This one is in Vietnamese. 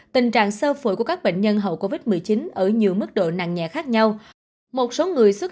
tổn thương phổi của các bệnh nhân hậu covid một mươi chín ở nhiều mức độ nặng nhẹ khác nhau một số người xuất